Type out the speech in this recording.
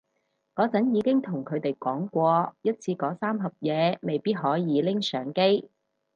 嗰陣已經同佢哋講過一次嗰三盒嘢未必可以拎上機